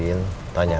mungkin dia tau elsa